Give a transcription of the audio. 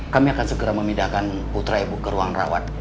kami akan segera memindahkan putra ibu ke ruang rawat